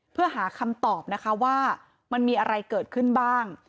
เพื่อหาคำตอบนะคะว่ามันมีอะไรเกิดขึ้นบ้าง